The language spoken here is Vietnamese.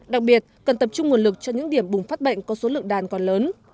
đặc biệt cần tập trung nguồn lực cho những điểm bùng phát bệnh có số lượng đàn còn lớn